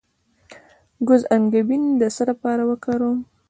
د ګز انګبین د څه لپاره وکاروم؟